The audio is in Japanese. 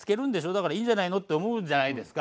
だからいいんじゃないの？って思うじゃないですか。